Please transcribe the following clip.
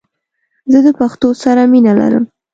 زه د پښتو سره مینه لرم🇦🇫❤️